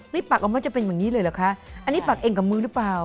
นี่ปักออกมาจะเป็นอย่างนี้เลยเหรอคะอันนี้ปักเองกับมือหรือเปล่า